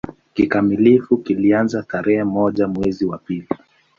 Kikamilifu kilianza tarehe moja mwezi wa pili